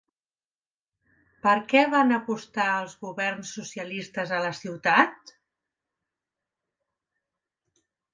Per què van apostar els governs socialistes a la ciutat?